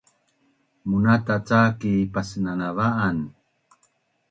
Munata cak ki pasnanava’an